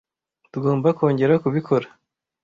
tugomba kongera kubikora.